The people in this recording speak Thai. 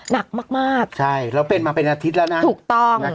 นักมากนะครับผมใช่เราเป็นมาเป็นอาทิตย์แล้วนะถูกต้อง